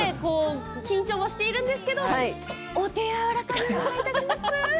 緊張はしているんですけれどお手柔らかにお願いします。